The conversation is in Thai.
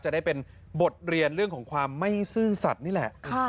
จะได้เป็นบทเรียนเรื่องของความไม่ซื่อสัตว์นี่แหละ